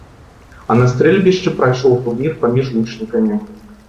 А на стрэльбішчы прайшоў турнір паміж лучнікамі.